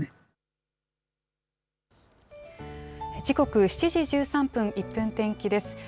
時刻、７時１３分、１分天気です。